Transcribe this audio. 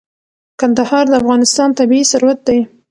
کندهار د افغانستان طبعي ثروت دی.